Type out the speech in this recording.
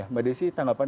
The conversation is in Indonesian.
mbak desi tanggapan